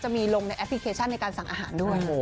ลงในแอปพลิเคชันในการสั่งอาหารด้วย